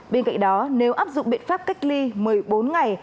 bên cạnh đó nếu áp dụng biện pháp cách ly một mươi bốn ngày